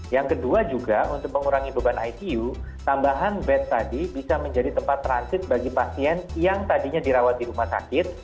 yang kedua juga untuk mengurangi beban icu tambahan bed tadi bisa menjadi tempat transit bagi pasien yang tadinya dirawat di rumah sakit